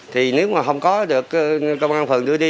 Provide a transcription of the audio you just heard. thì nếu mà không có được công an phường đưa đi